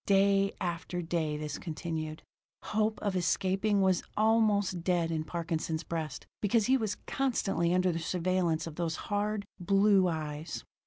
Day after day this continued. Hope of escaping was almost dead in Parkinson's breast, because he was constantly under the surveillance of those hard, blue eyes.